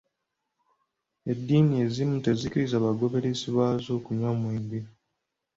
Edddiini ezimu tezikkiriza bagooberezi baazo kunywa mwenge